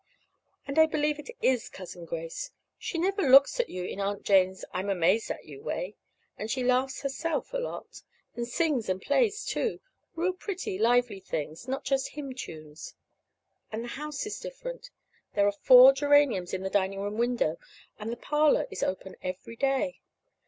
And I believe it is Cousin Grace. She never looks at you in Aunt Jane's I'm amazed at you way. And she laughs herself a lot, and sings and plays, too real pretty lively things; not just hymn tunes. And the house is different. There are four geraniums in the dining room window, and the parlor is open every day.